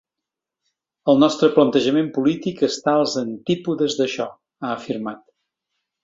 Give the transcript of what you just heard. El nostre plantejament polític està als antípodes d’això, ha afirmat.